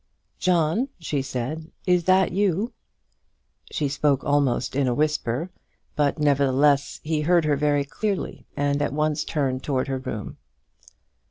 "John," she said, "is that you?" She spoke almost in a whisper, but, nevertheless, he heard her very clearly, and at once turned towards her room.